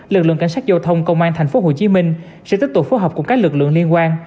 lực lượng cảnh sát giao thông công an tp hcm sẽ tiếp tục phối hợp cùng các lực lượng liên quan